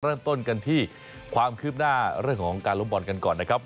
เริ่มต้นกันที่ความคืบหน้าเรื่องของการล้มบอลกันก่อนนะครับ